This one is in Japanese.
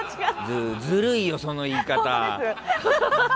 ずるいよ、その言い方。